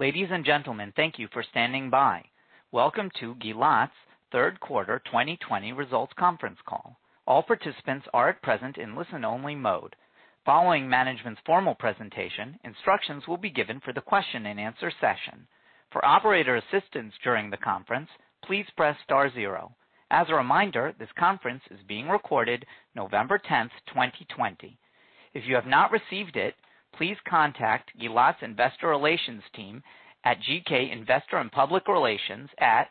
Ladies and gentlemen, thank you for standing by. Welcome to Gilat's third quarter 2020 results conference call. All participants are at present in listen-only mode. Following management's formal presentation, instructions will be given for the question-and-answer session. For operator assistance during the conference, please press star zero. As a reminder, this conference is being recorded November 10th, 2020. If you have not received it, please contact Gilat's investor relations team at GK Investor & Public Relations at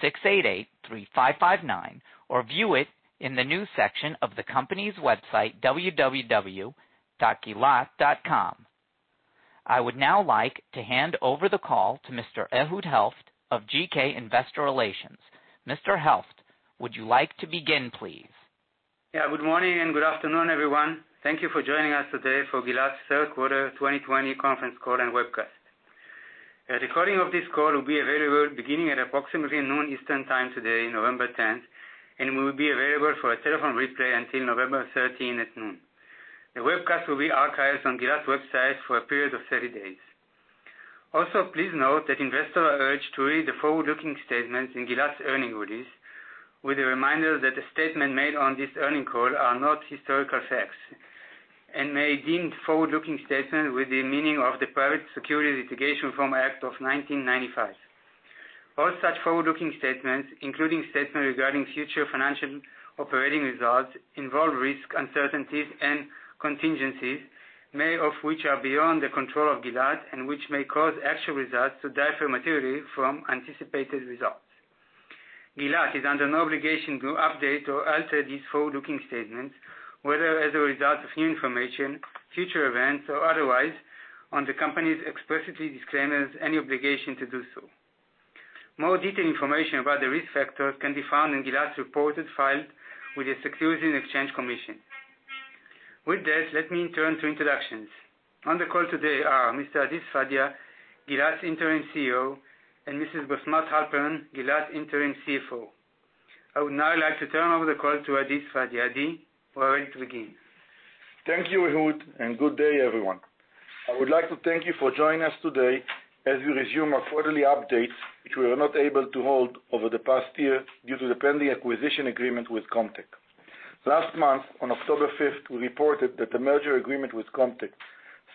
1-646-688-3559 or view it in the new section of the company's website, www.gilat.com. I would now like to hand over the call to Mr. Ehud Helft of GK Investor & Public Relations. Mr. Helft, would you like to begin, please? Yeah. Good morning and good afternoon, everyone. Thank you for joining us today for Gilat's third quarter 2020 conference call and webcast. A recording of this call will be available beginning at approximately noon Eastern Time today, November 10, and will be available for a telephone replay until November 13 at noon. The webcast will be archived on Gilat's website for a period of 30 days. Please note that investors are urged to read the forward-looking statements in Gilat's earnings release with a reminder that the statements made on this earnings call are not historical facts and may be deemed forward-looking statements with the meaning of the Private Securities Litigation Reform Act of 1995. All such forward-looking statements, including statements regarding future financial operating results, involve risks, uncertainties and contingencies, many of which are beyond the control of Gilat and which may cause actual results to differ materially from anticipated results. Gilat is under no obligation to update or alter these forward-looking statements, whether as a result of new information, future events, or otherwise, and the company explicitly disclaims any obligation to do so. More detailed information about the risk factors can be found in Gilat's reported files with the Securities and Exchange Commission. With that, let me turn to introductions. On the call today are Mr. Adi Sfadia, Gilat's Interim CEO, and Mrs. Bosmat Halpern, Gilat's Interim CFO. I would now like to turn over the call to Adi Sfadia. Adi, we're ready to begin. Thank you, Ehud, and good day, everyone. I would like to thank you for joining us today as we resume our quarterly updates, which we were not able to hold over the past year due to the pending acquisition agreement with Comtech. Last month on October 5th, we reported that the merger agreement with Comtech,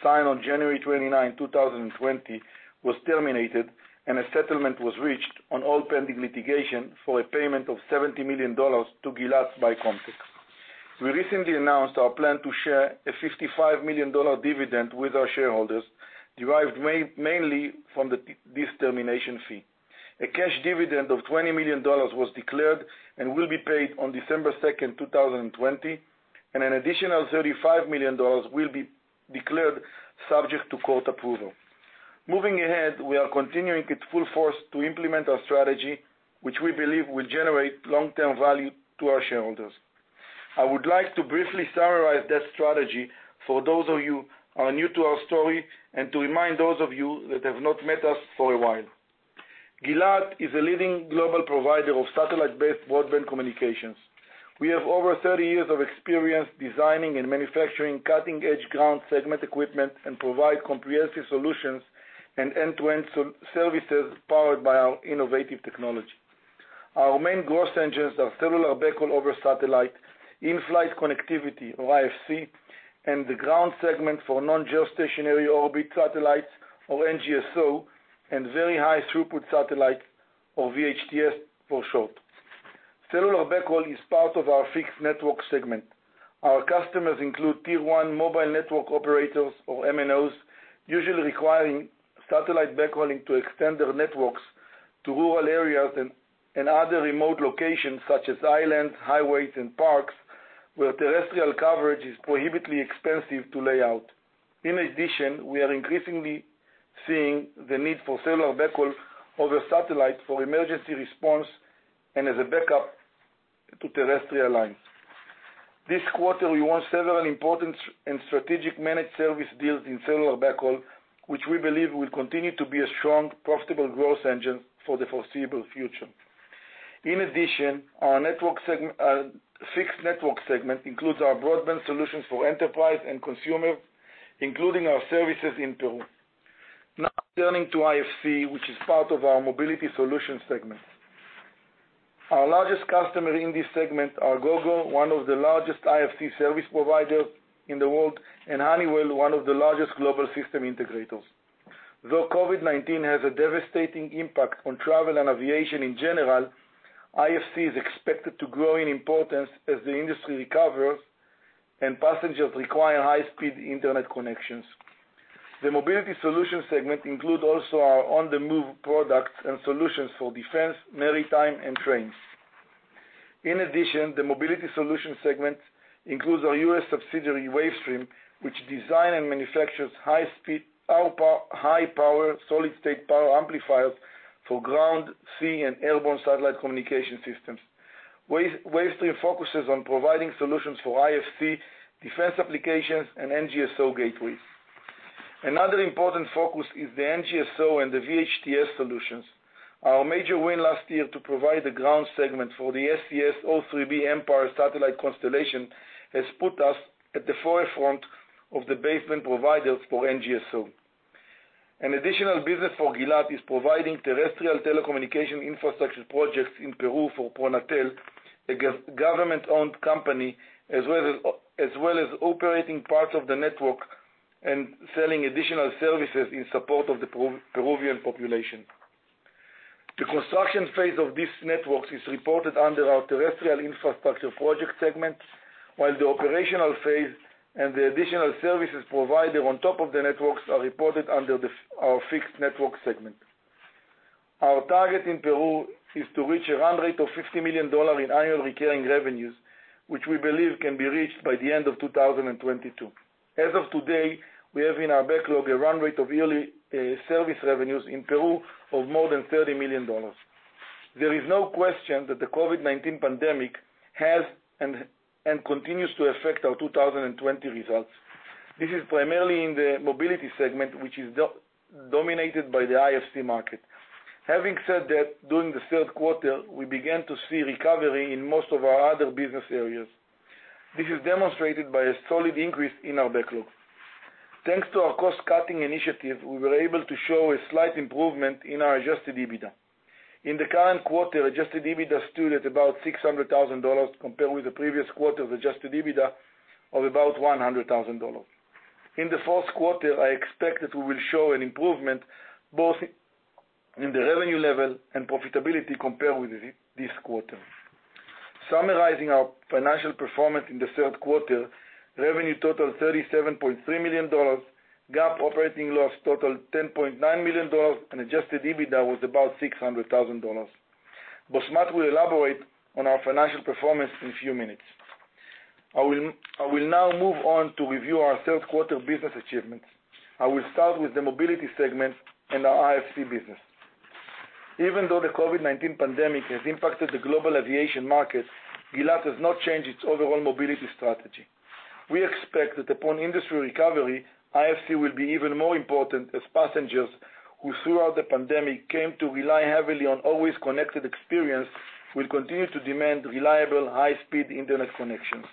signed on January 29, 2020, was terminated, and a settlement was reached on all pending litigation for a payment of $70 million to Gilat by Comtech. We recently announced our plan to share a $55 million dividend with our shareholders, derived mainly from this termination fee. A cash dividend of $20 million was declared and will be paid on December 2nd, 2020, and an additional $35 million will be declared subject to court approval. Moving ahead, we are continuing at full force to implement our strategy, which we believe will generate long-term value to our shareholders. I would like to briefly summarize that strategy for those of you who are new to our story and to remind those of you that have not met us for a while. Gilat is a leading global provider of satellite-based broadband communications. We have over 30 years of experience designing and manufacturing cutting-edge ground segment equipment and provide comprehensive solutions and end-to-end services powered by our innovative technology. Our main growth engines are cellular backhaul over satellite, in-flight connectivity or IFC, and the ground segment for non-geostationary orbit satellites or NGSO, and very high throughput satellites or VHTS for short. Cellular backhaul is part of our Fixed Network segment. Our customers include Tier-1 mobile network operators or MNOs, usually requiring satellite backhauling to extend their networks to rural areas and other remote locations such as islands, highways, and parks, where terrestrial coverage is prohibitively expensive to lay out. In addition, we are increasingly seeing the need for cellular backhaul over satellite for emergency response and as a backup to terrestrial lines. This quarter, we won several important and strategic managed service deals in cellular backhaul, which we believe will continue to be a strong, profitable growth engine for the foreseeable future. In addition, our Fixed Network segment includes our broadband solutions for enterprise and consumer, including our services in Peru. Now, turning to IFC, which is part of our Mobility Solutions segment. Our largest customer in this segment are Gogo, one of the largest IFC service providers in the world, and Honeywell, one of the largest global system integrators. Though COVID-19 has a devastating impact on travel and aviation in general, IFC is expected to grow in importance as the industry recovers and passengers require high-speed internet connections. The Mobility Solutions segment include also our on-the-move products and solutions for defense, maritime, and trains. In addition, the Mobility Solutions segment includes our U.S. subsidiary, Wavestream, which design and manufactures high-power solid-state power amplifiers for ground, sea, and airborne satellite communication systems. Wavestream focuses on providing solutions for IFC, defense applications, and NGSO gateways. Another important focus is the NGSO and the VHTS solutions. Our major win last year to provide the ground segment for the SES O3b mPOWER satellite constellation has put us at the forefront of the base segment providers for NGSO. An additional business for Gilat is providing terrestrial telecommunication infrastructure projects in Peru for Pronatel, a government-owned company, as well as operating parts of the network and selling additional services in support of the Peruvian population. The construction phase of these networks is reported under our Terrestrial Infrastructure Project segment, while the operational phase and the additional services provided on top of the networks are reported under our Fixed Network segment. Our target in Peru is to reach a run rate of $50 million in annual recurring revenues, which we believe can be reached by the end of 2022. As of today, we have in our backlog a run rate of yearly service revenues in Peru of more than $30 million. There is no question that the COVID-19 pandemic has and continues to affect our 2020 results. This is primarily in the Mobility segment, which is dominated by the IFC market. Having said that, during the third quarter, we began to see recovery in most of our other business areas. This is demonstrated by a solid increase in our backlog. Thanks to our cost-cutting initiative, we were able to show a slight improvement in our adjusted EBITDA. In the current quarter, adjusted EBITDA stood at about $600,000, compared with the previous quarter of adjusted EBITDA of about $100,000. In the fourth quarter, I expect that we will show an improvement both in the revenue level and profitability compared with this quarter. Summarizing our financial performance in the third quarter, revenue totaled $37.3 million, GAAP operating loss totaled $10.9 million, and adjusted EBITDA was about $600,000. Bosmat will elaborate on our financial performance in a few minutes. I will now move on to review our third quarter business achievements. I will start with the Mobility segment and our IFC business. Even though the COVID-19 pandemic has impacted the global aviation market, Gilat has not changed its overall mobility strategy. We expect that upon industry recovery, IFC will be even more important as passengers who, throughout the pandemic, came to rely heavily on always-connected experience, will continue to demand reliable, high-speed internet connections.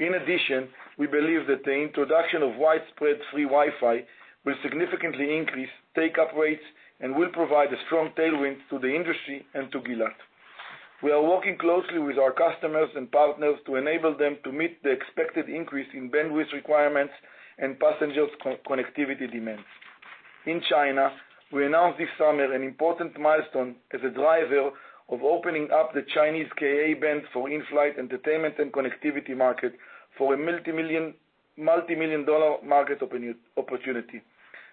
In addition, we believe that the introduction of widespread free Wi-Fi will significantly increase take-up rates and will provide a strong tailwind to the industry and to Gilat. We are working closely with our customers and partners to enable them to meet the expected increase in bandwidth requirements and passengers' connectivity demands. In China, we announced this summer an important milestone as a driver of opening up the Chinese Ka-band for in-flight entertainment and connectivity market for a multimillion-dollar market opportunity.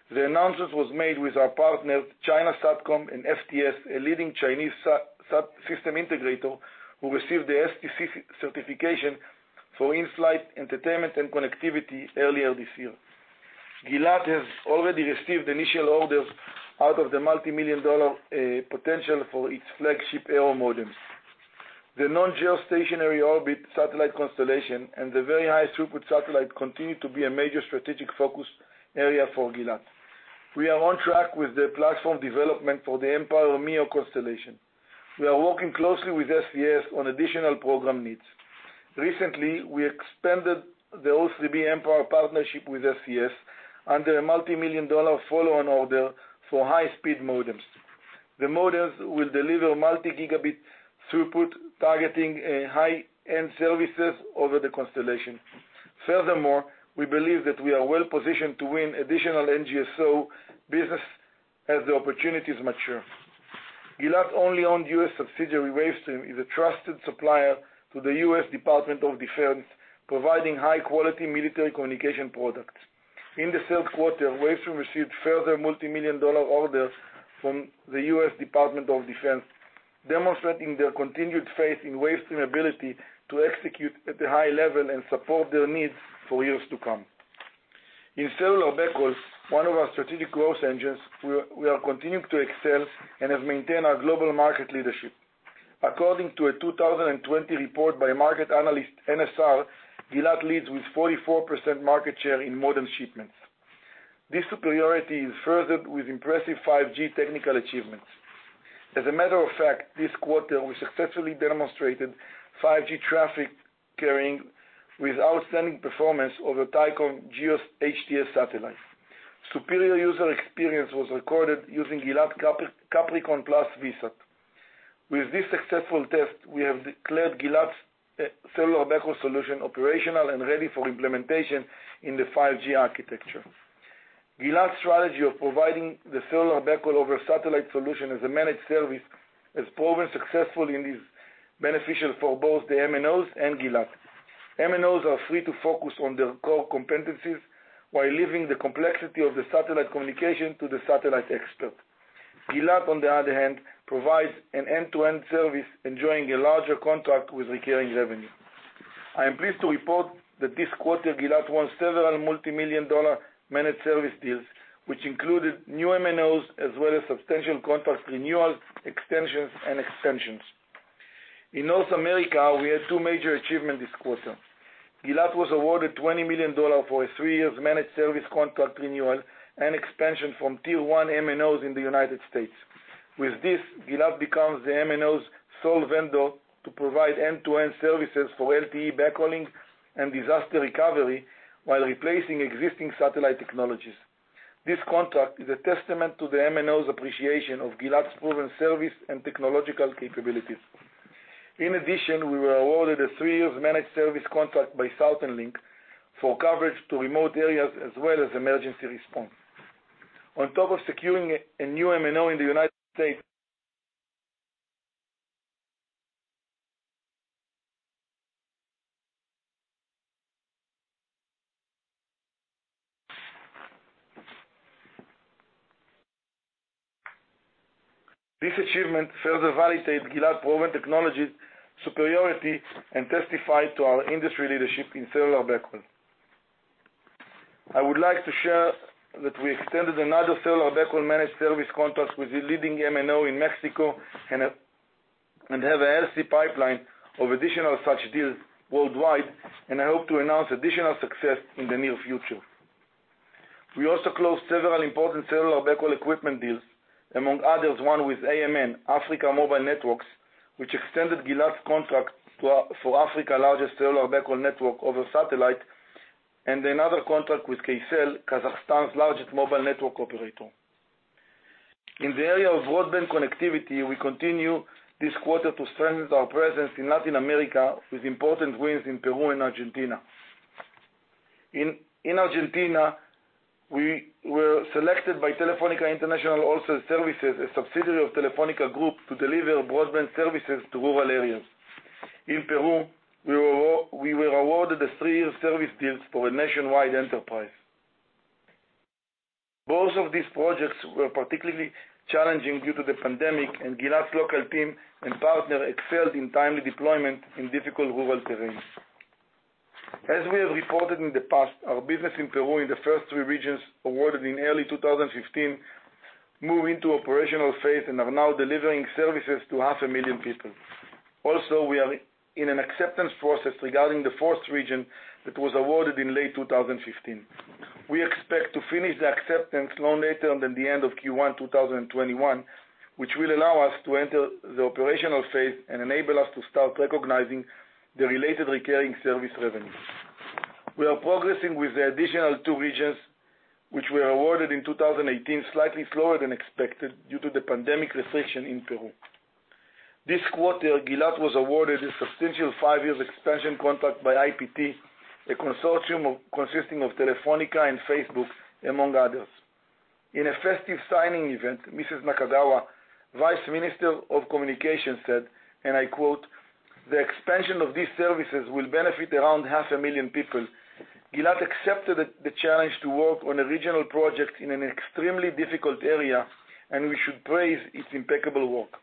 The announcement was made with our partners, China Satcom and FTS, a leading Chinese system integrator, who received the STC certification for in-flight entertainment and connectivity earlier this year. Gilat has already received initial orders out of the multimillion-dollar potential for its flagship Aero modems. The non-geostationary orbit satellite constellation and the very high throughput satellite continue to be a major strategic focus area for Gilat. We are on track with the platform development for the mPOWER MEO constellation. We are working closely with SES on additional program needs. Recently, we expanded the O3b mPOWER partnership with SES under a multimillion-dollar follow-on order for high-speed modems. The modems will deliver multi-gigabit throughput, targeting high-end services over the constellation. Furthermore, we believe that we are well-positioned to win additional NGSO business as the opportunities mature. Gilat's only owned U.S. subsidiary, Wavestream, is a trusted supplier to the U.S. Department of Defense, providing high-quality military communication products. In the third quarter, Wavestream received further multimillion-dollar orders from the U.S. Department of Defense, demonstrating their continued faith in Wavestream's ability to execute at the high level and support their needs for years to come. In cellular backhauls, one of our strategic growth engines, we are continuing to excel and have maintained our global market leadership. According to a 2020 report by market analyst NSR, Gilat leads with 44% market share in modem shipments. This superiority is furthered with impressive 5G technical achievements. As a matter of fact, this quarter, we successfully demonstrated 5G traffic carrying with outstanding performance over Thaicom GEO HTS satellite. Superior user experience was recorded using Gilat Capricorn PLUS VSAT. With this successful test, we have declared Gilat's cellular backhaul solution operational and ready for implementation in the 5G architecture. Gilat's strategy of providing the cellular backhaul over satellite solution as a managed service has proven successful and is beneficial for both the MNOs and Gilat. MNOs are free to focus on their core competencies while leaving the complexity of the satellite communication to the satellite expert. Gilat, on the other hand, provides an end-to-end service, enjoying a larger contract with recurring revenue. I am pleased to report that this quarter, Gilat won several multimillion-dollar managed service deals, which included new MNOs as well as substantial contract renewals and extensions. In North America, we had two major achievements this quarter. Gilat was awarded $20 million for a three-year managed service contract renewal and expansion from Tier-1 MNOs in the U.S. With this, Gilat becomes the MNO's sole vendor to provide end-to-end services for LTE backhauling and disaster recovery while replacing existing satellite technologies. This contract is a testament to the MNO's appreciation of Gilat's proven service and technological capabilities. In addition, we were awarded a three-year managed service contract by Southern Linc for coverage to remote areas as well as emergency response. On top of securing a new MNO in the United States. This achievement further validates Gilat proven technology superiority, and testifies to our industry leadership in cellular backhaul. I would like to share that we extended another cellular backhaul managed service contract with the leading MNO in Mexico, and have a healthy pipeline of additional such deals worldwide, and I hope to announce additional success in the near future. We also closed several important cellular backhaul equipment deals, among others, one with AMN, Africa Mobile Networks, which extended Gilat's contract for Africa's largest cellular backhaul network over satellite, and another contract with Kcell, Kazakhstan's largest mobile network operator. In the area of broadband connectivity, we continue this quarter to strengthen our presence in Latin America with important wins in Peru and Argentina. In Argentina, we were selected by Telefónica International Wholesale Services, a subsidiary of Telefónica Group, to deliver broadband services to rural areas. In Peru, we were awarded a three-year service deals for a nationwide enterprise. Both of these projects were particularly challenging due to the pandemic, and Gilat's local team and partner excelled in timely deployment in difficult rural terrains. As we have reported in the past, our business in Peru in the first three regions awarded in early 2015, move into operational phase and are now delivering services to half a million people. We are in an acceptance process regarding the fourth region that was awarded in late 2015. We expect to finish the acceptance no later than the end of Q1 2021, which will allow us to enter the operational phase and enable us to start recognizing the related recurring service revenue. We are progressing with the additional two regions, which were awarded in 2018, slightly slower than expected due to the pandemic restriction in Peru. This quarter, Gilat was awarded a substantial five-year expansion contract by IPT, a consortium consisting of Telefónica and Facebook, among others. In a festive signing event, Mrs. Nakagawa, Vice Minister of Communications said, and I quote, "The expansion of these services will benefit around half a million people. Gilat accepted the challenge to work on a regional project in an extremely difficult area, and we should praise its impeccable work."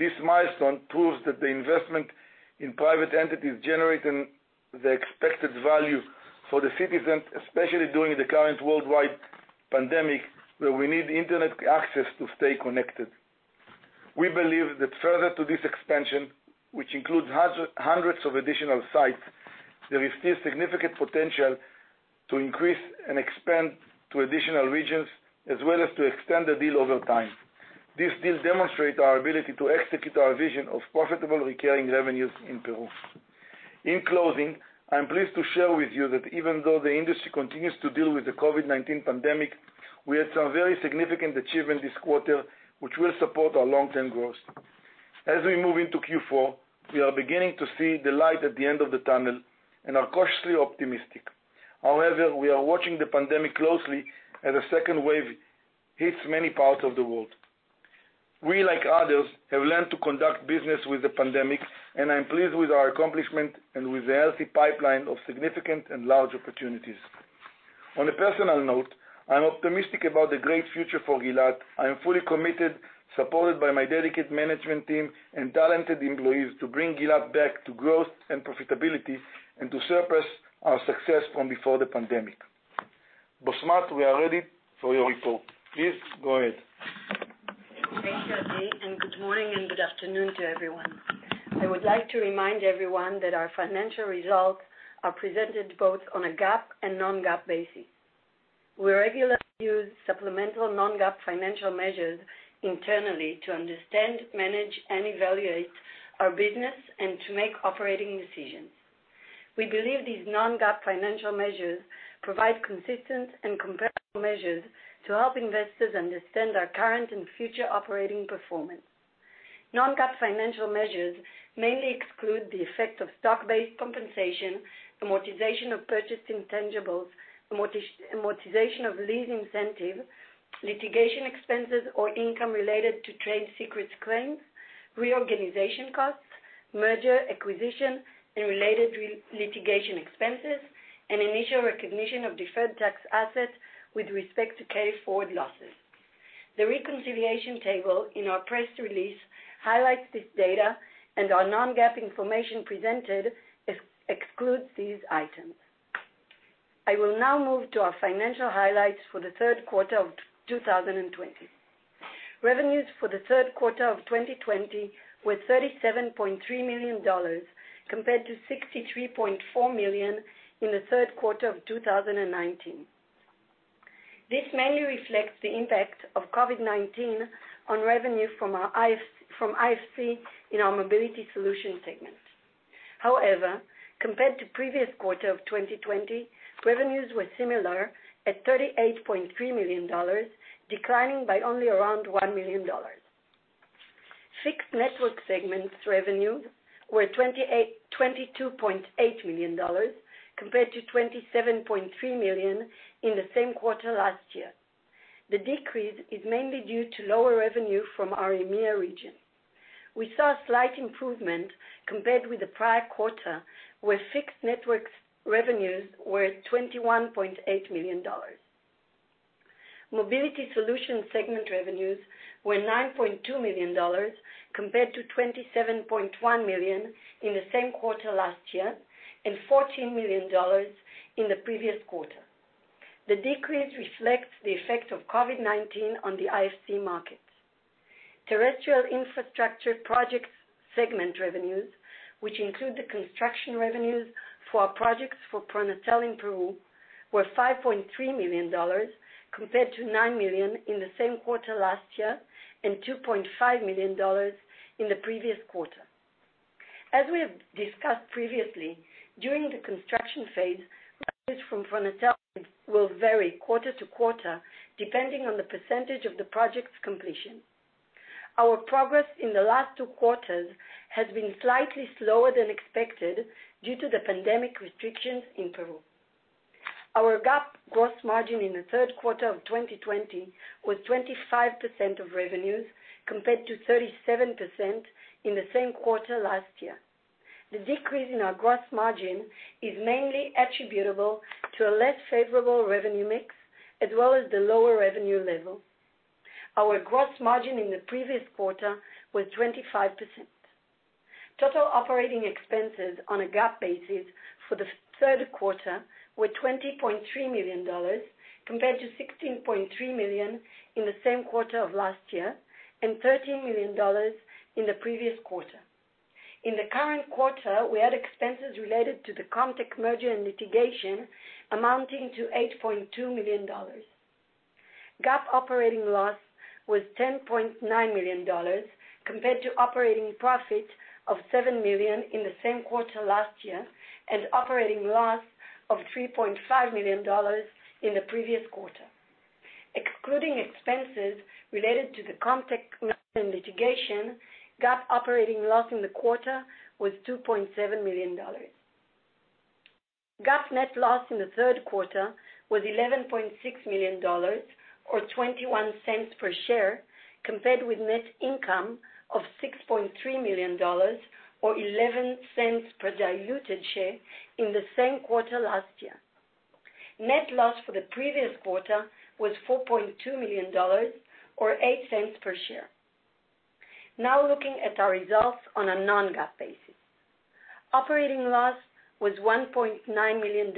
This milestone proves that the investment in private entities generating the expected value for the citizens, especially during the current worldwide pandemic, where we need internet access to stay connected. We believe that further to this expansion, which includes hundreds of additional sites, there is still significant potential to increase and expand to additional regions as well as to extend the deal over time. This deal demonstrates our ability to execute our vision of profitable recurring revenues in Peru. In closing, I'm pleased to share with you that even though the industry continues to deal with the COVID-19 pandemic, we had some very significant achievements this quarter, which will support our long-term growth. As we move into Q4, we are beginning to see the light at the end of the tunnel and are cautiously optimistic. However, we are watching the pandemic closely as a second wave hits many parts of the world. We, like others, have learned to conduct business with the pandemic, and I'm pleased with our accomplishment and with the healthy pipeline of significant and large opportunities. On a personal note, I'm optimistic about the great future for Gilat. I am fully committed, supported by my dedicated management team and talented employees to bring Gilat back to growth and profitability and to surpass our success from before the pandemic. Bosmat, we are ready for your report. Please go ahead. Thank you, Adi. Good morning and good afternoon to everyone. I would like to remind everyone that our financial results are presented both on a GAAP and non-GAAP basis. We regularly use supplemental non-GAAP financial measures internally to understand, manage, and evaluate our business and to make operating decisions. We believe these non-GAAP financial measures provide consistent and comparable measures to help investors understand our current and future operating performance. Non-GAAP financial measures mainly exclude the effect of stock-based compensation, amortization of purchased intangibles, amortization of lease incentive, litigation expenses or income related to trade secrets claims, reorganization costs, merger, acquisition, and related litigation expenses, and initial recognition of deferred tax assets with respect to carryforward losses. The reconciliation table in our press release highlights this data and our non-GAAP information presented excludes these items. I will now move to our financial highlights for the third quarter of 2020. Revenues for the third quarter of 2020 were $37.3 million, compared to $63.4 million in the third quarter of 2019. This mainly reflects the impact of COVID-19 on revenue from IFC in our Mobility Solution segment. However, compared to the previous quarter of 2020, revenues were similar at $38.3 million, declining by only around $1 million. Fixed Network segment revenues were $22.8 million, compared to $27.3 million in the same quarter last year. The decrease is mainly due to lower revenue from our EMEA region. We saw a slight improvement compared with the prior quarter, where Fixed Network's revenues were $21.8 million. Mobility Solution segment revenues were $9.2 million compared to $27.1 million in the same quarter last year, and $14 million in the previous quarter. The decrease reflects the effect of COVID-19 on the IFC markets. Terrestrial Infrastructure Projects segment revenues, which include the construction revenues for our projects for Pronatel in Peru, were $5.3 million compared to $9 million in the same quarter last year, and $2.5 million in the previous quarter. As we have discussed previously, during the construction phase, revenues from Pronatel will vary quarter to quarter depending on the percentage of the project's completion. Our progress in the last two quarters has been slightly slower than expected due to the pandemic restrictions in Peru. Our GAAP gross margin in the third quarter of 2020 was 25% of revenues, compared to 37% in the same quarter last year. The decrease in our gross margin is mainly attributable to a less favorable revenue mix, as well as the lower revenue level. Our gross margin in the previous quarter was 25%. Total operating expenses on a GAAP basis for the third quarter were $20.3 million compared to $16.3 million in the same quarter of last year, and $13 million in the previous quarter. In the current quarter, we had expenses related to the Comtech merger and litigation amounting to $8.2 million. GAAP operating loss was $10.9 million compared to operating profit of $7 million in the same quarter last year, and operating loss of $3.5 million in the previous quarter. Excluding expenses related to the Comtech merger and litigation, GAAP operating loss in the quarter was $2.7 million. GAAP net loss in the third quarter was $11.6 million or $0.21 per share, compared with net income of $6.3 million or $0.11 per diluted share in the same quarter last year. Net loss for the previous quarter was $4.2 million or $0.08 per share. Now looking at our results on a non-GAAP basis. Operating loss was $1.9 million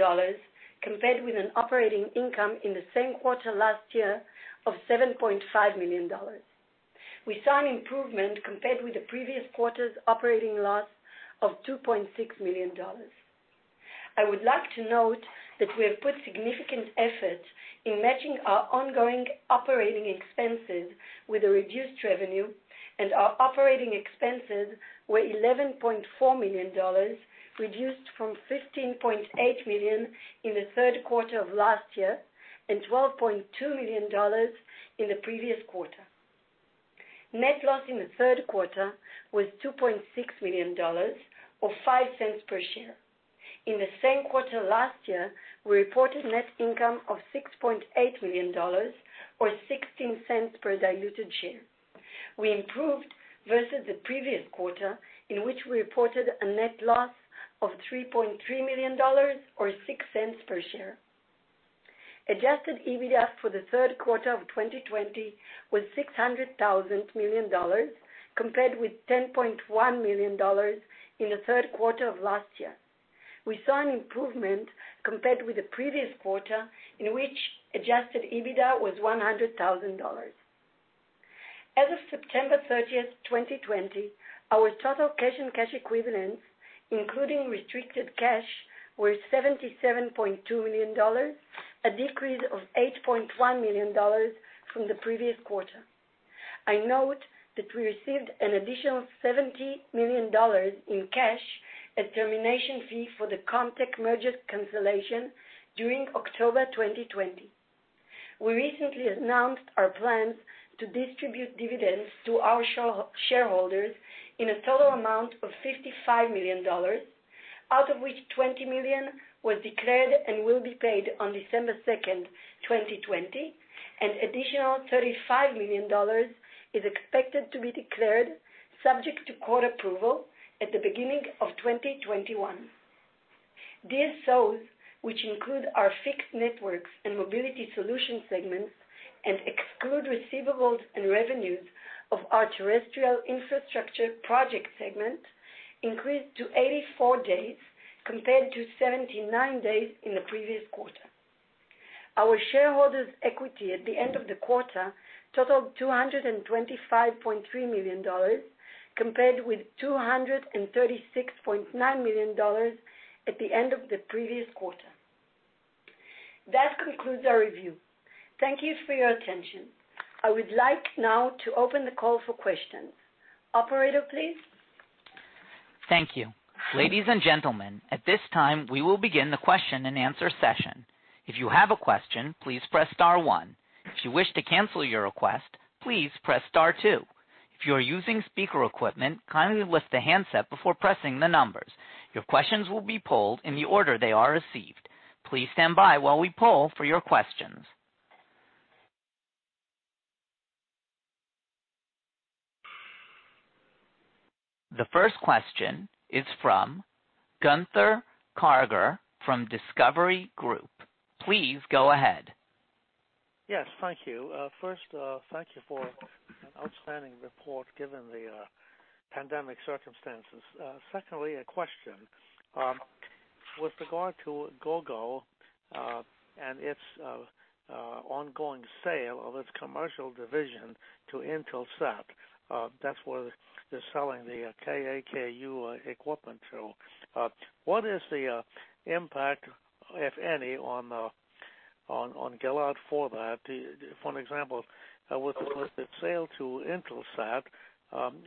compared with an operating income in the same quarter last year of $7.5 million. We saw an improvement compared with the previous quarter's operating loss of $2.6 million. I would like to note that we have put significant effort in matching our ongoing operating expenses with a reduced revenue, and our operating expenses were $11.4 million, reduced from $15.8 million in the third quarter of last year, and $12.2 million in the previous quarter. Net loss in the third quarter was $2.6 million or $0.05 per share. In the same quarter last year, we reported net income of $6.8 million or $0.16 per diluted share. We improved versus the previous quarter, in which we reported a net loss of $3.3 million or $0.06 per share. Adjusted EBITDA for the third quarter of 2020 was $600,000 compared with $10.1 million in the third quarter of last year. We saw an improvement compared with the previous quarter, in which adjusted EBITDA was $100,000. As of September 30th, 2020, our total cash and cash equivalents, including restricted cash, were $77.2 million, a decrease of $8.1 million from the previous quarter. I note that we received an additional $70 million in cash as termination fee for the Comtech merger cancellation during October 2020. We recently announced our plans to distribute dividends to our shareholders in a total amount of $55 million, out of which $20 million was declared and will be paid on December 2nd, 2020. An additional $35 million is expected to be declared subject to court approval at the beginning of 2021. DSOs, which include our Fixed Networks and Mobility Solution segments and exclude receivables and revenues of our Terrestrial Infrastructure Project segment, increased to 84 days compared to 79 days in the previous quarter. Our shareholders' equity at the end of the quarter totaled $225.3 million, compared with $236.9 million at the end of the previous quarter. That concludes our review. Thank you for your attention. I would like now to open the call for questions. Operator, please? Thank you. Ladies and gentlemen, at this time, we will begin the question-and-answer session. If you have a question, please press star one. If you wish to cancel your request, please press star two. If you are using speaker equipment, kindly lift the handset before pressing the numbers. Your questions will be polled in the order they are received. Please stand by while we poll for your questions. The first question is from Gunther Karger from Discovery Group. Please go ahead. Yes. Thank you. First, thank you for an outstanding report given the pandemic circumstances. Secondly, a question. With regard to Gogo, and its ongoing sale of its commercial division to Intelsat, that's where they're selling the Ka/Ku equipment to. What is the impact, if any, on Gilat for that? For example, with the sale to Intelsat,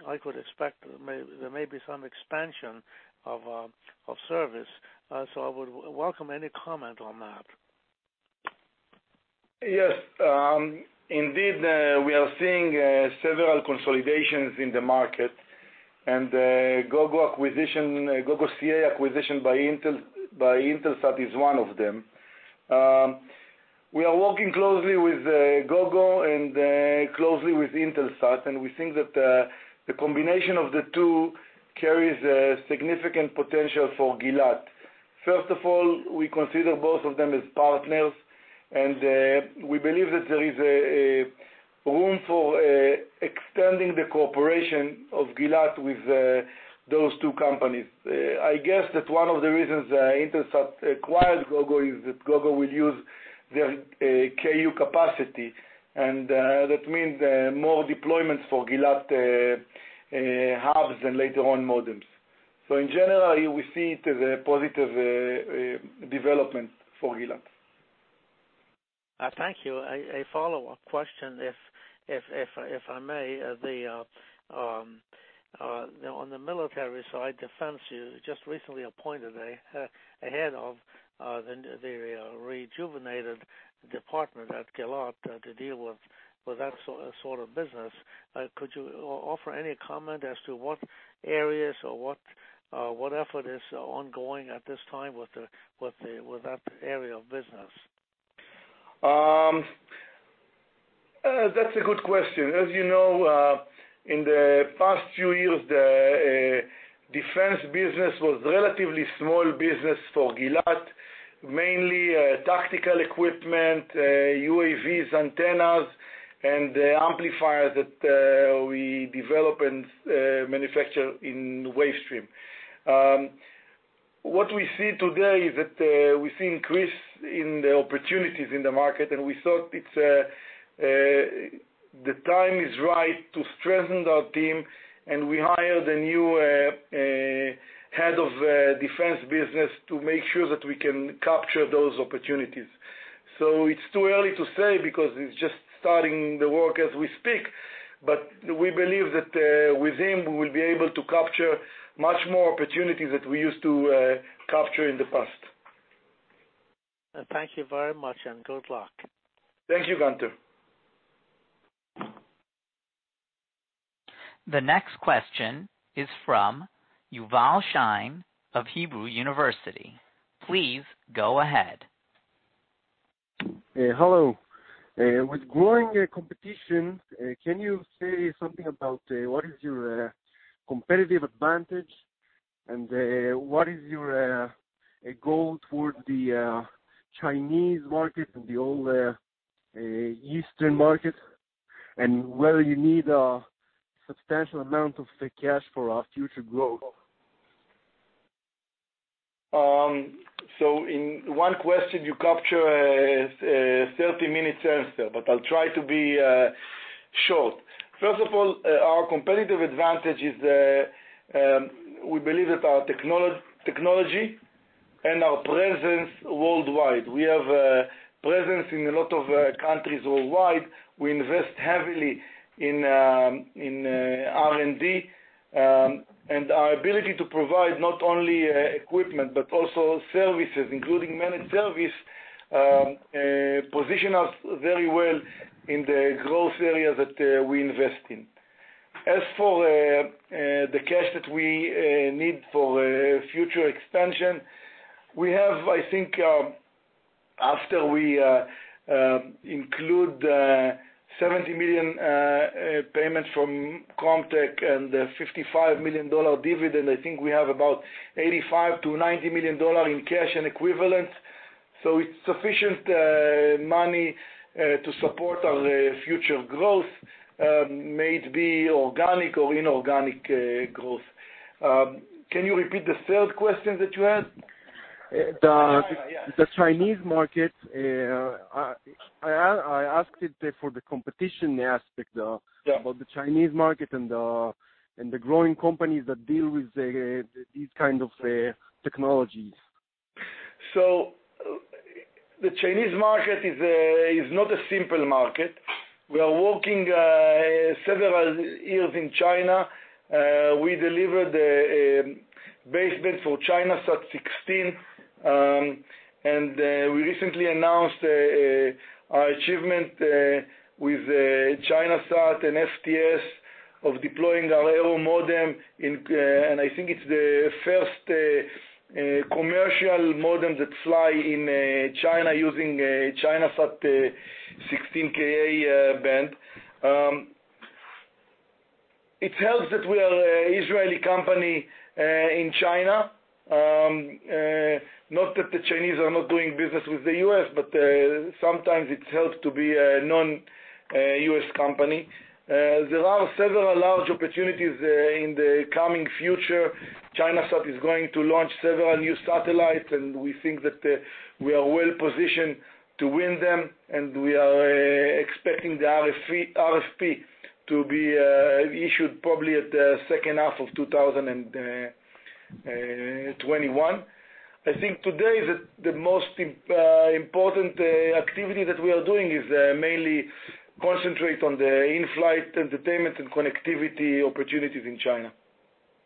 I could expect there may be some expansion of service. I would welcome any comment on that. Yes. Indeed, we are seeing several consolidations in the market. Gogo CA acquisition by Intelsat is one of them. We are working closely with Gogo and closely with Intelsat, and we think that the combination of the two carries a significant potential for Gilat. First of all, we consider both of them as partners, and we believe that there is room for extending the cooperation of Gilat with those two companies. I guess that one of the reasons Intelsat acquired Gogo is that Gogo will use their Ku capacity, and that means more deployments for Gilat hubs and later on, modems. In general, we see it as a positive development for Gilat. Thank you. A follow-up question, if I may. On the military side, defense, you just recently appointed a head of the rejuvenated department at Gilat to deal with that sort of business. Could you offer any comment as to what areas or what effort is ongoing at this time with that area of business? That's a good question. As you know, in the past few years, the defense business was relatively small business for Gilat, mainly tactical equipment, UAVs, antennas, and amplifiers that we develop and manufacture in the Wavestream. What we see today is that we see increase in the opportunities in the market, and we thought the time is right to strengthen our team, and we hired a new head of defense business to make sure that we can capture those opportunities. It's too early to say because he's just starting the work as we speak, but we believe that with him, we will be able to capture much more opportunities than we used to capture in the past. Thank you very much, and good luck. Thank you, Gunther. The next question is from Yuval Shany of Hebrew University. Please go ahead. Hello. With growing competition, can you say something about what is your competitive advantage, and what is your goal toward the Chinese market and the old Eastern market, and whether you need a substantial amount of cash for future growth? In one question, you capture a 30-minute answer, but I'll try to be short. First of all, our competitive advantage is, we believe that our technology and our presence worldwide. We have a presence in a lot of countries worldwide. We invest heavily in R&D, and our ability to provide not only equipment, but also services, including managed service, position us very well in the growth area that we invest in. As for the cash that we need for future expansion, we have, I think, after we include $70 million payments from Comtech and the $55 million dividend, I think we have about $85 million-$90 million in cash and equivalents. It's sufficient money to support our future growth, may it be organic or inorganic growth. Can you repeat the third question that you asked? The- Yeah. The Chinese market, I asked it for the competition Yeah. about the Chinese market and the growing companies that deal with these kind of technologies. The Chinese market is not a simple market. We are working several years in China. We delivered a base band for ChinaSat 16, and we recently announced our achievement with ChinaSat and FTS of deploying our Aero modem, and I think it's the first commercial modem that fly in China using ChinaSat 16 Ka-band. It helps that we are a Israeli company in China. Not that the Chinese are not doing business with the U.S., but sometimes it helps to be a non-U.S. company. There are several large opportunities there in the coming future. ChinaSat is going to launch several new satellites, and we think that we are well-positioned to win them, and we are expecting the RFP to be issued probably at the second half of 2021. I think today, the most important activity that we are doing is mainly concentrating on the in-flight entertainment and connectivity opportunities in China.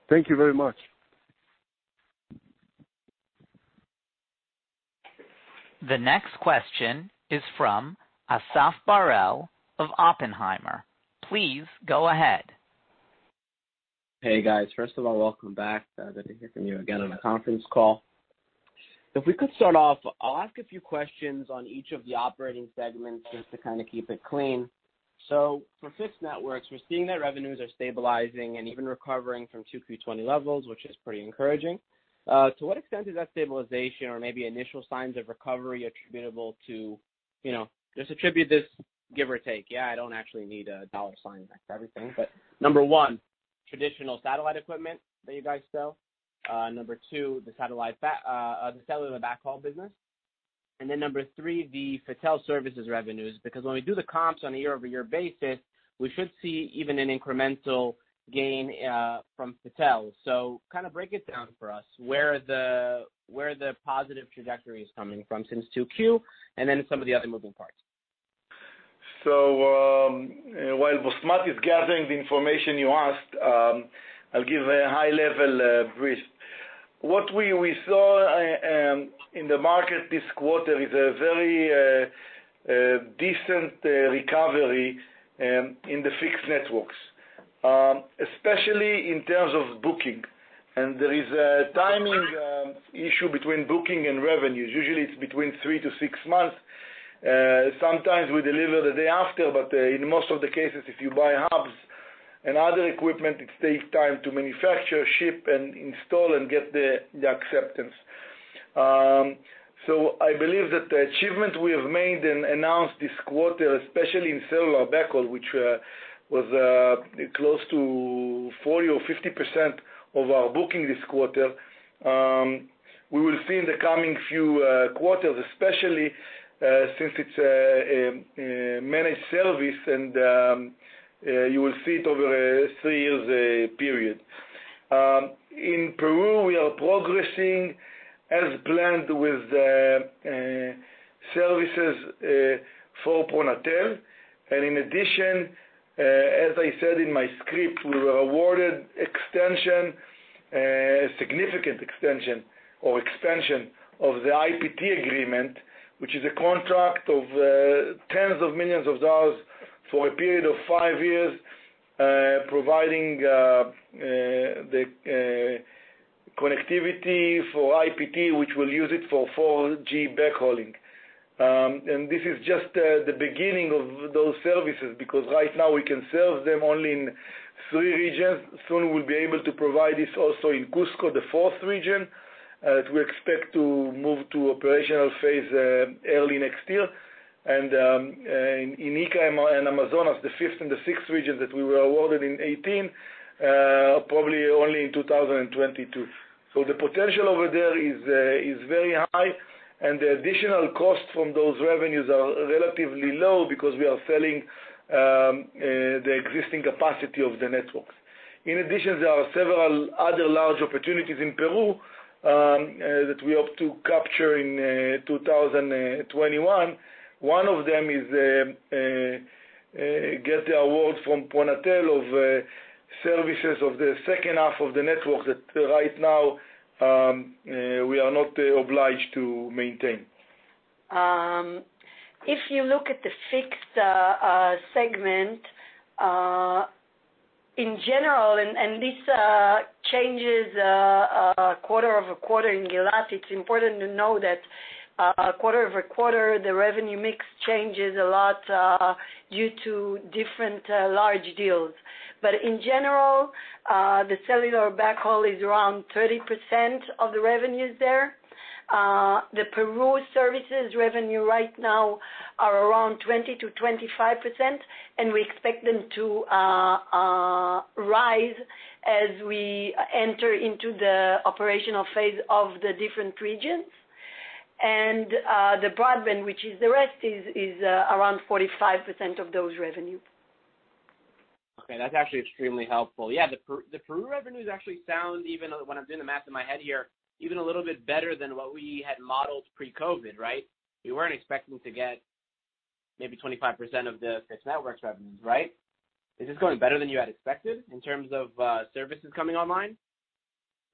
Thank you very much. The next question is from Asaf Barel of Oppenheimer. Please go ahead. Hey, guys. First of all, welcome back. Glad to hear from you again on a conference call. If we could start off, I'll ask a few questions on each of the operating segments just to kind of keep it clean. For Fixed Networks, we're seeing that revenues are stabilizing and even recovering from 2Q 2020 levels, which is pretty encouraging. To what extent is that stabilization or maybe initial signs of recovery attributable to, just attribute this give or take. Yeah, I don't actually need a dollar sign next to everything. Number one, traditional satellite equipment that you guys sell. Number two, the satellite backhaul business. Number three, the hotel services revenues, because when we do the comps on a year-over-year basis, we should see even an incremental gain from hotel. Break it down for us, where the positive trajectory is coming from since 2Q, and then some of the other moving parts. While Bosmat is gathering the information you asked, I'll give a high-level brief. What we saw in the market this quarter is a very decent recovery in the fixed networks, especially in terms of booking. There is a timing issue between booking and revenues. Usually, it's between three to six months. Sometimes we deliver the day after, but in most of the cases, if you buy hubs and other equipment, it takes time to manufacture, ship, and install and get the acceptance. I believe that the achievement we have made and announced this quarter, especially in cellular backhaul, which was close to 40% or 50% of our booking this quarter, we will see in the coming few quarters, especially since it's a managed service, and you will see it over a three years period. In Peru, we are progressing as planned with services for Pronatel. In addition, as I said in my script, we were awarded extension, a significant extension or expansion of the IPT agreement, which is a contract of tens of millions of dollars for a period of five years, providing the connectivity for IPT, which we'll use it for 4G backhauling. This is just the beginning of those services because right now we can serve them only in three regions. Soon we'll be able to provide this also in Cusco, the fourth region, that we expect to move to operational phase early next year. In Ica and Amazonas, the fifth and the sixth region that we were awarded in 2018, probably only in 2022. The potential over there is very high, and the additional costs from those revenues are relatively low because we are selling the existing capacity of the networks. There are several other large opportunities in Peru that we hope to capture in 2021. One of them is get the award from Pronatel of services of the second half of the network that right now, we are not obliged to maintain. If you look at the Fixed segment, in general, and these quarter-over-quarter in Gilat, it's important to know that quarter-over-quarter, the revenue mix changes a lot due to different large deals. In general, the cellular backhaul is around 30% of the revenues there. The Peru services revenue right now are around 20%-25%, and we expect them to rise as we enter into the operational phase of the different regions. The broadband, which is the rest, is around 45% of those revenues. Okay. That's actually extremely helpful. Yeah, the Peru revenues actually sound, even when I'm doing the math in my head here, even a little bit better than what we had modeled pre-COVID, right? We weren't expecting to get maybe 25% of the Fixed Network revenues, right? Is this going better than you had expected in terms of services coming online?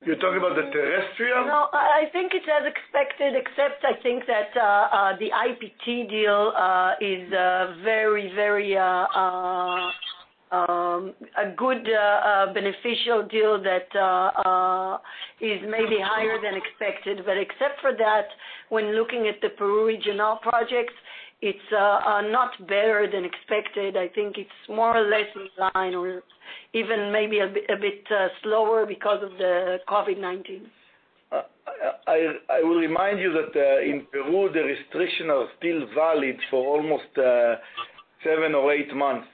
You're talking about the terrestrial? No, I think it's as expected, except I think that the IPT deal is a very, very good, beneficial deal that is maybe higher than expected. Except for that, when looking at the Peru regional projects, it's not better than expected. I think it's more or less in line or even maybe a bit slower because of the COVID-19. I will remind you that in Peru, the restrictions are still valid for almost seven or eight months.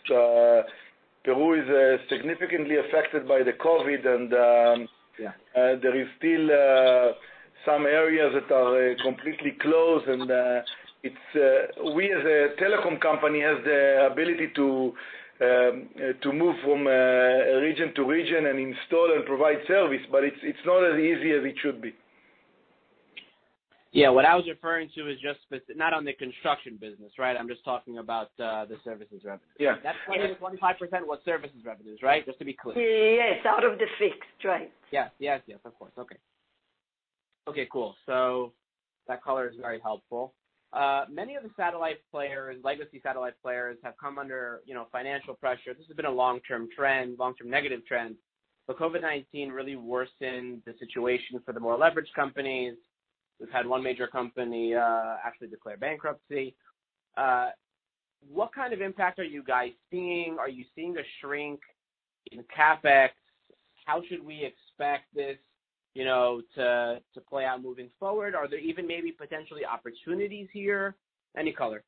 Peru is significantly affected by the COVID. Yeah. There is still some areas that are completely closed, and we as a telecom company, have the ability to move from region to region and install and provide service, but it's not as easy as it should be. Yeah. What I was referring to is just, not on the construction business, right? I'm just talking about the services revenue. Yeah. That 25% was services revenues, right? Just to be clear. Yes. Out of the fixed, right. Yes. Of course. Okay. Okay, cool. That color is very helpful. Many of the satellite players, legacy satellite players, have come under financial pressure. This has been a long-term trend, long-term negative trend. COVID-19 really worsened the situation for the more leveraged companies. We've had one major company actually declare bankruptcy. What kind of impact are you guys seeing? Are you seeing a shrink in CapEx? How should we expect this to play out moving forward? Are there even maybe potentially opportunities here? Any color.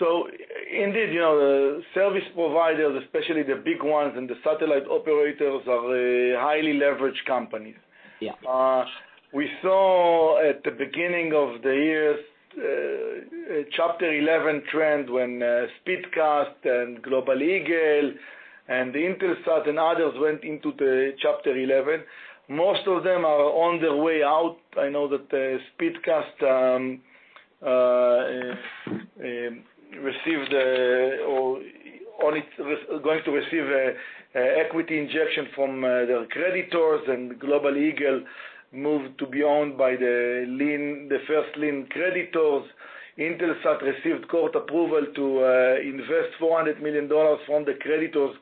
Indeed, the service providers, especially the big ones, and the satellite operators are highly leveraged companies. Yeah. We saw at the beginning of the year, Chapter 11 trend when Speedcast and Global Eagle and Intelsat and others went into the Chapter 11. Most of them are on their way out. I know that Speedcast is going to receive an equity injection from their creditors, and Global Eagle moved to be owned by the first lien creditors. Intelsat received court approval to invest $400 million from the creditors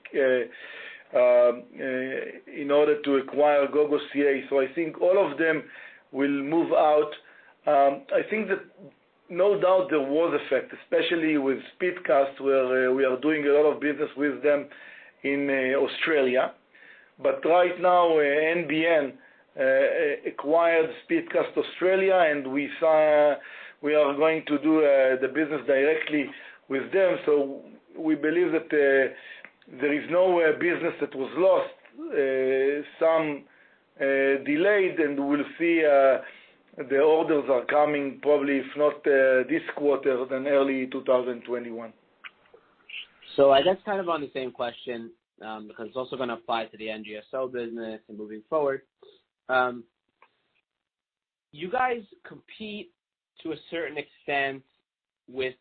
in order to acquire Gogo's CA. I think all of them will move out. I think that no doubt there was effect, especially with Speedcast, where we are doing a lot of business with them in Australia. Right now, NBN acquired Speedcast Australia, and we are going to do the business directly with them. We believe that there is no business that was lost. Some delayed. We'll see the orders are coming probably if not this quarter, then early 2021. I guess kind of on the same question, because it is also going to apply to the NGSO business and moving forward. You guys compete to a certain extent with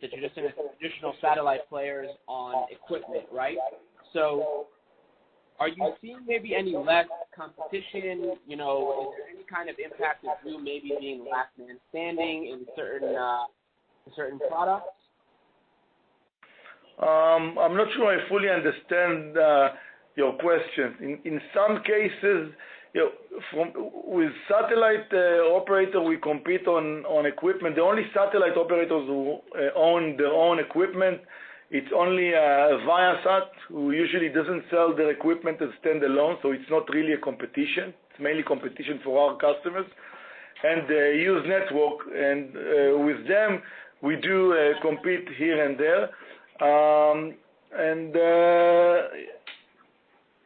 the traditional satellite players on equipment, right? Are you seeing maybe any less competition? Is there any kind of impact with you maybe being last man standing in certain products? I'm not sure I fully understand your question. In some cases, with satellite operator, we compete on equipment. The only satellite operators who own their own equipment, it's only Viasat, who usually doesn't sell their equipment as standalone, so it's not really a competition. It's mainly competition for our customers. They use network, and with them, we do compete here and there.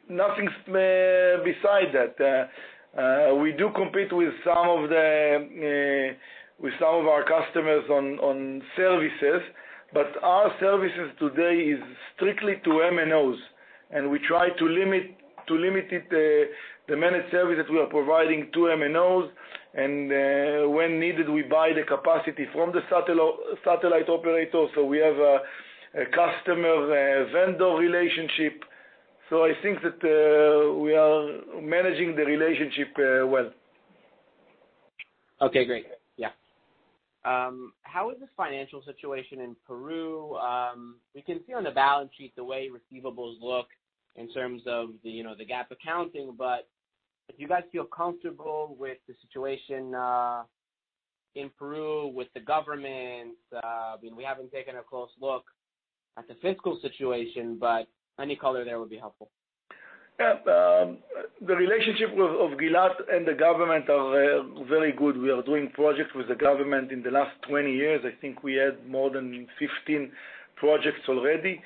Nothing beside that. We do compete with some of our customers on services, but our services today is strictly to MNOs, and we try to limit the managed services we are providing to MNOs, and when needed, we buy the capacity from the satellite operator, so we have a customer-vendor relationship. I think that we are managing the relationship well. Okay, great. Yeah. How is this financial situation in Peru? We can see on the balance sheet the way receivables look in terms of the GAAP accounting, but do you guys feel comfortable with the situation in Peru with the government? We haven't taken a close look at the fiscal situation, but any color there would be helpful. Yeah. The relationship of Gilat and the government are very good. We are doing projects with the government in the last 20 years. I think we had more than 15 projects already.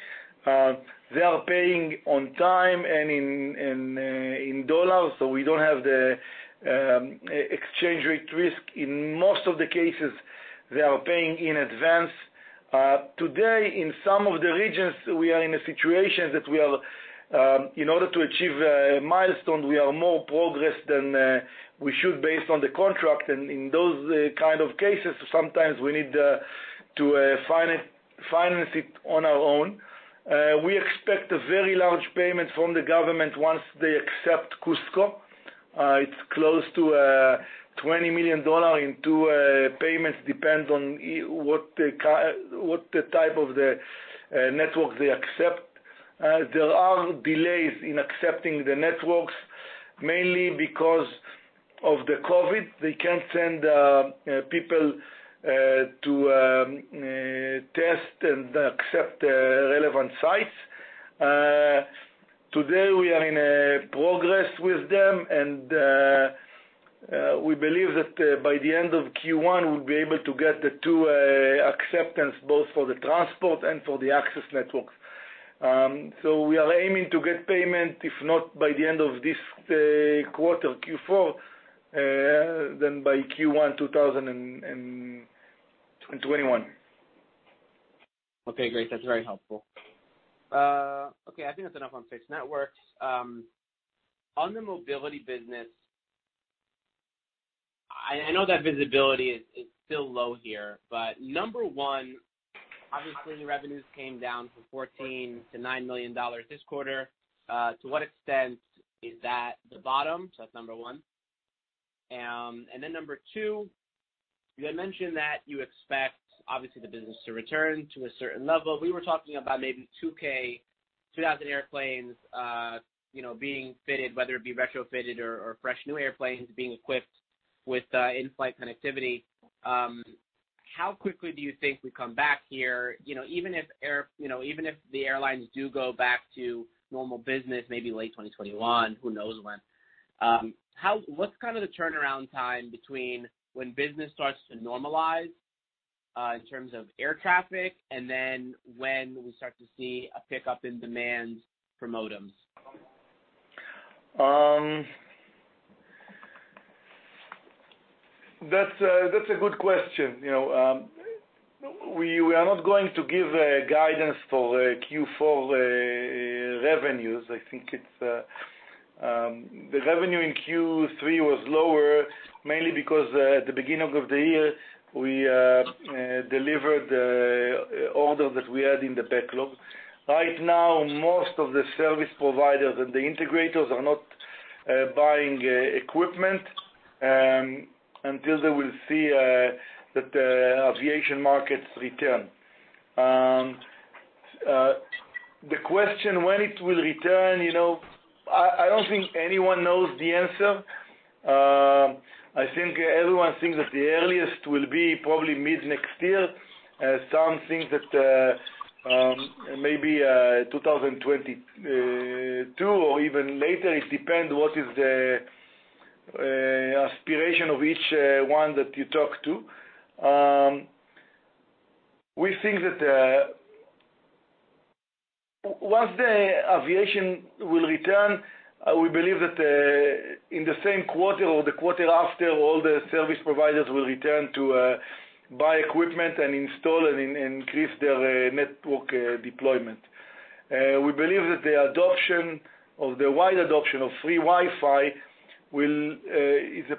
They are paying on time and in dollars, so we don't have the exchange rate risk. In most of the cases, they are paying in advance. Today, in some of the regions, we are in a situation that in order to achieve a milestone, we are more progressed than we should based on the contract. In those kind of cases, sometimes we need to finance it on our own. We expect a very large payment from the government once they accept Cusco. It's close to $20 million into payments, depends on what the type of the network they accept. There are delays in accepting the networks, mainly because of the COVID. They can't send people to test and accept relevant sites. Today, we are in progress with them, and we believe that by the end of Q1, we'll be able to get the two acceptance, both for the transport and for the access networks. We are aiming to get payment, if not by the end of this quarter, Q4, then by Q1 2021. That's very helpful. I think that's enough on Fixed Networks. On the mobility business, I know that visibility is still low here. Number one, obviously, the revenues came down from $14 million to $9 million this quarter. To what extent is that the bottom? That's number one. Number two, you had mentioned that you expect, obviously, the business to return to a certain level. We were talking about maybe 2,000 airplanes being fitted, whether it be retrofitted or fresh new airplanes being equipped with in-flight connectivity. How quickly do you think we come back here? Even if the airlines do go back to normal business, maybe late 2021, who knows when? What's the turnaround time between when business starts to normalize in terms of air traffic and then when we start to see a pickup in demand for modems? That's a good question. We are not going to give guidance for Q4 revenues. I think the revenue in Q3 was lower, mainly because at the beginning of the year, we delivered the order that we had in the backlog. Right now, most of the service providers and the integrators are not buying equipment until they will see that the aviation markets return. The question, when it will return, I don't think anyone knows the answer. I think everyone thinks that the earliest will be probably mid-next year. Some think that maybe 2022 or even later. It depends what is the aspiration of each one that you talk to. We think that once the aviation will return, we believe that in the same quarter or the quarter after, all the service providers will return to buy equipment and install and increase their network deployment. We believe that the wide adoption of free Wi-Fi is a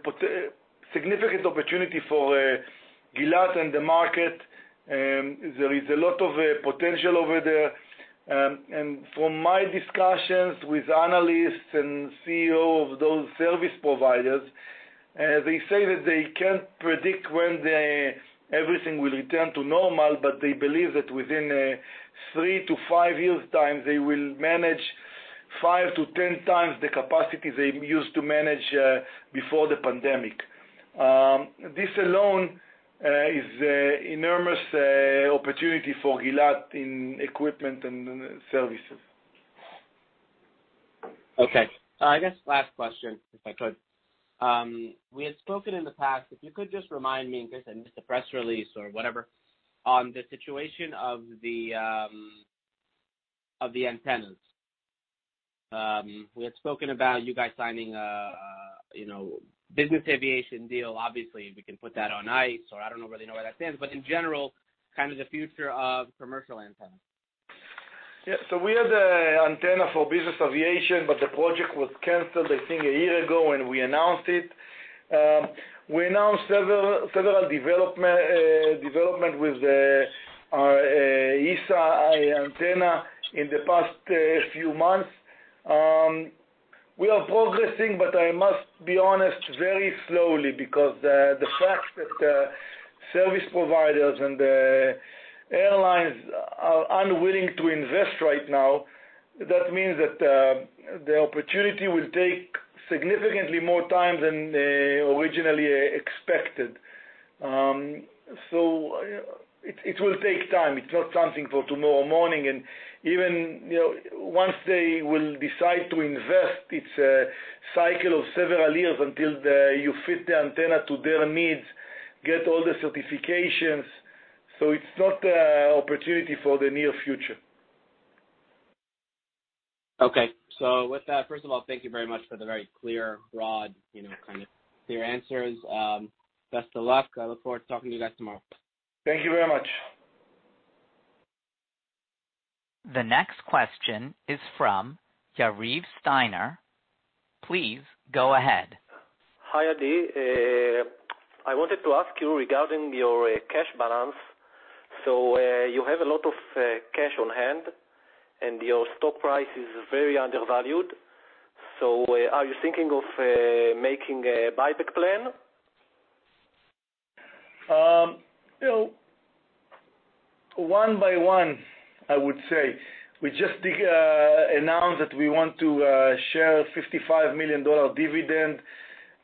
significant opportunity for Gilat and the market. There is a lot of potential over there. From my discussions with analysts and CEO of those service providers, they say that they can't predict when everything will return to normal, but they believe that within three to five years' time, they will manage five to 10 times the capacity they used to manage before the pandemic. This alone is enormous opportunity for Gilat in equipment and services. Okay. I guess last question, if I could. We had spoken in the past, if you could just remind me, in case I missed the press release or whatever, on the situation of the antennas. We had spoken about you guys signing a business aviation deal. Obviously, we can put that on ice, or I don't know really know where that stands, but in general, the future of commercial antennas. We had the antenna for business aviation, but the project was canceled, I think, a year ago when we announced it. We announced several development with antenna in the past few months. We are progressing, but I must be honest, very slowly because the fact that service providers and airlines are unwilling to invest right now, that means that the opportunity will take significantly more time than originally expected. It will take time. It's not something for tomorrow morning. Even once they will decide to invest, it's a cycle of several years until you fit the antenna to their needs, get all the certifications. It's not an opportunity for the near future. Okay. With that, first of all, thank you very much for the very clear, broad, clear answers. Best of luck. I look forward to talking to you guys tomorrow. Thank you very much. The next question is from Yariv Steiner. Please go ahead. Hi, Adi. I wanted to ask you regarding your cash balance. You have a lot of cash on hand, and your stock price is very undervalued. Are you thinking of making a buyback plan? One by one, I would say. We just announced that we want to share a $55 million dividend.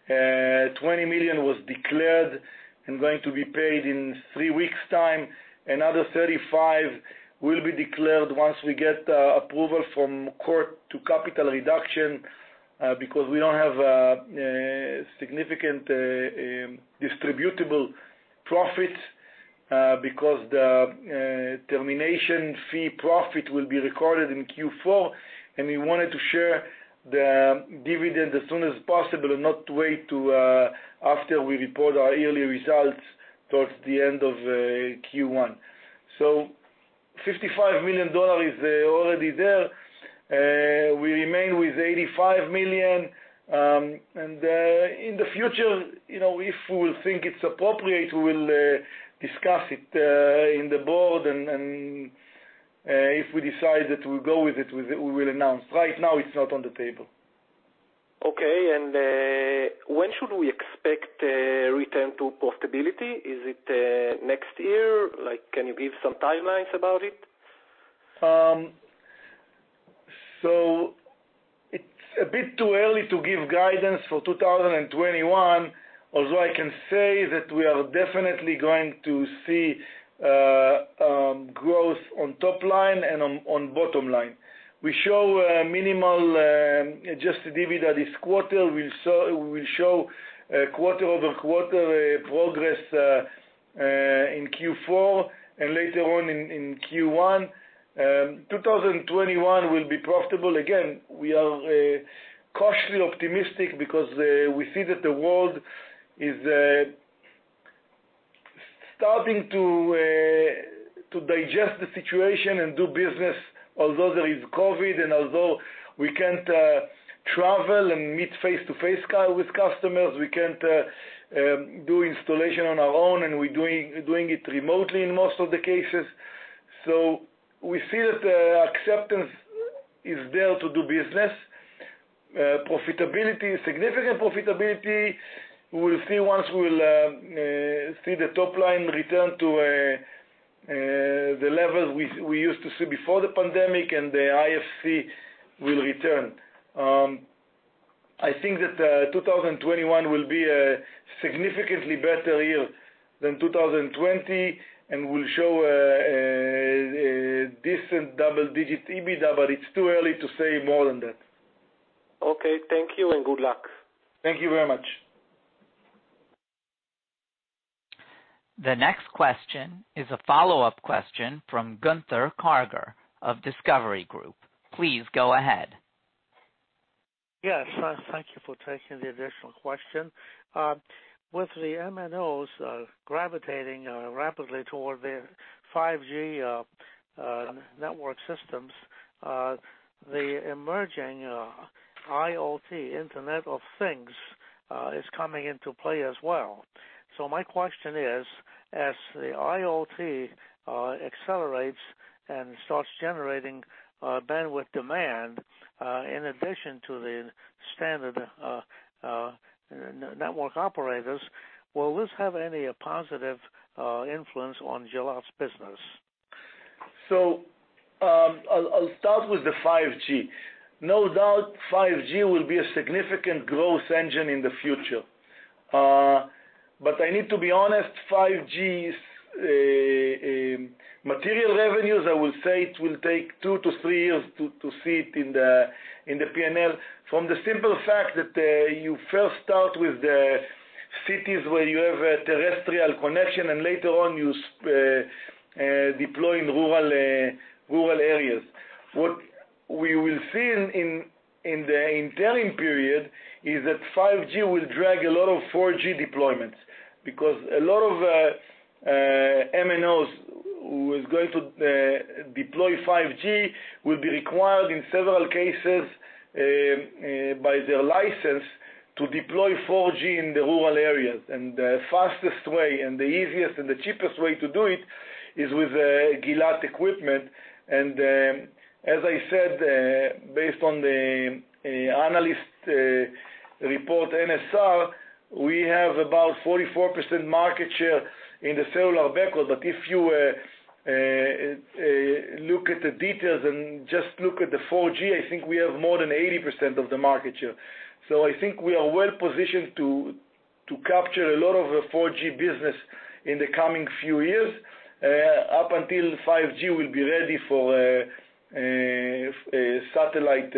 $20 million was declared and going to be paid in three weeks' time. Another $35 million will be declared once we get approval from court to capital reduction, because we don't have a significant distributable profit, because the termination fee profit will be recorded in Q4, and we wanted to share the dividend as soon as possible and not wait to after we report our yearly results towards the end of Q1. $55 million is already there. We remain with $85 million, and in the future, if we will think it's appropriate, we will discuss it in the board, and if we decide that we'll go with it, we will announce. Right now, it's not on the table. Okay. When should we expect a return to profitability? Is it next year? Can you give some timelines about it? It's a bit too early to give guidance for 2021, although I can say that we are definitely going to see growth on top line and on bottom line. We show a minimal, adjusted EBITDA this quarter. We'll show quarter-over-quarter progress in Q4 and later on in Q1. 2021 will be profitable. Again, we are cautiously optimistic because we see that the world is starting to digest the situation and do business, although there is COVID and although we can't travel and meet face-to-face with customers, we can't do installation on our own, and we're doing it remotely in most of the cases. We see that acceptance is there to do business. Profitability, significant profitability, we'll see once we will see the top line return to the level we used to see before the pandemic and the IFC will return. I think that 2021 will be a significantly better year than 2020, and we'll show a decent double-digit EBITDA, but it's too early to say more than that. Okay. Thank you. Good luck. Thank you very much. The next question is a follow-up question from Gunther Karger of Discovery Group. Please go ahead. Yes. Thank you for taking the additional question. With the MNOs gravitating rapidly toward their 5G network systems, the emerging IoT, Internet of Things, is coming into play as well. My question is, as the IoT accelerates and starts generating bandwidth demand, in addition to the standard network operators, will this have any positive influence on Gilat's business? I'll start with the 5G. No doubt 5G will be a significant growth engine in the future. I need to be honest, 5G's material revenues, I will say it will take two to three years to see it in the P&L from the simple fact that you first start with the cities where you have a terrestrial connection, and later on, you deploy in rural areas. What we will see in the interim period is that 5G will drag a lot of 4G deployments because a lot of MNOs who are going to deploy 5G will be required in several cases, by their license to deploy 4G in the rural areas, and the fastest way, and the easiest, and the cheapest way to do it is with Gilat equipment. As I said, based on the analyst report NSR, we have about 44% market share in the cellular backhaul. If you look at the details and just look at the 4G, I think we have more than 80% of the market share. I think we are well-positioned to capture a lot of the 4G business in the coming few years, up until 5G will be ready for satellite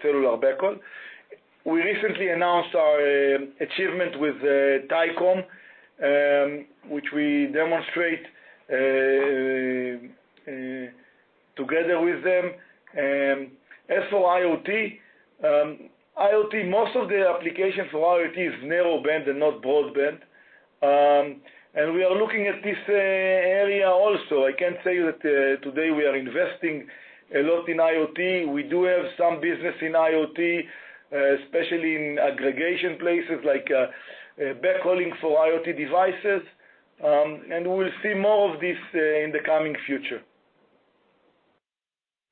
cellular backhaul. We recently announced our achievement with Thaicom, which we demonstrate together with them. As for IoT, most of the applications for IoT is narrowband and not broadband. We are looking at this area also. I can tell you that today we are investing a lot in IoT. We do have some business in IoT, especially in aggregation places like backhauling for IoT devices, and we'll see more of this in the coming future.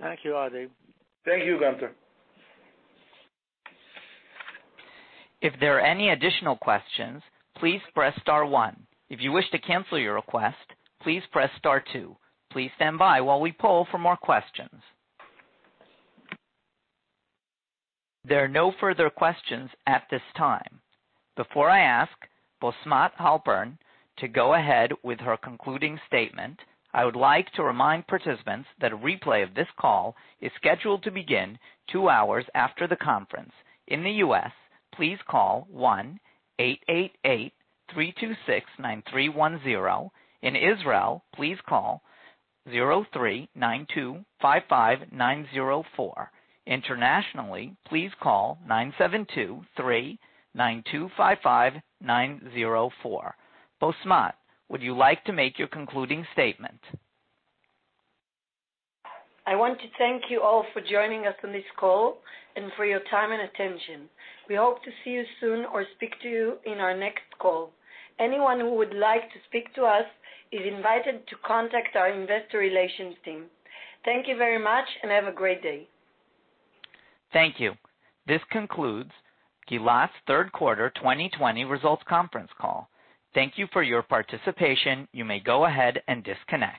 Thank you, Adi. Thank you, Gunther. If there are any additional question, please press star one. If you wish to cancel your request, please press star two. Please standby while we poll from our questions. There are no further questions at this time. Before I ask Bosmat Halpern to go ahead with her concluding statement, I would like to remind participants that a replay of this call is scheduled to begin two hours after the conference. In the U.S., please call 1-888-326-9310. In Israel, please call 03-925-5904. Internationally, please call (972) 3-925-5904 Bosmat, would you like to make your concluding statement? I want to thank you all for joining us on this call and for your time and attention. We hope to see you soon or speak to you in our next call. Anyone who would like to speak to us is invited to contact our investor relations team. Thank you very much and have a great day. Thank you. This concludes Gilat's third quarter 2020 results conference call. Thank you for your participation. You may go ahead and disconnect.